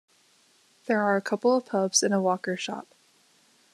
There are a couple of pubs and a walkers' shop.